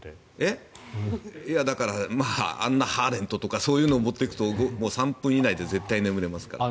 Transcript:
アンナ・ハーレントとかそういうのを持っていくと３分以内で絶対眠れますから。